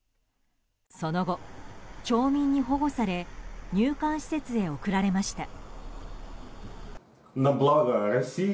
その後、町民に保護され入管施設へ送られました。